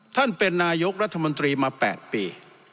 ท่านเป็นนายกรัฐมนตรีมา๘ปี